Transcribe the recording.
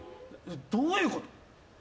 どういうこと？